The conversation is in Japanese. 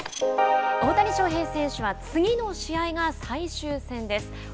大谷翔平選手は次の試合が最終戦です。